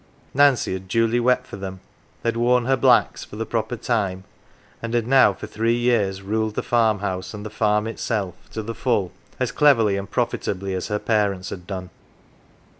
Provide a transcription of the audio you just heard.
Nancy had duly wept for them, had worn her "blacks'" for the proper time, and had now for three years ruled the farmhouse and the farm itself to the full as cleverly and profitably as her parents had done.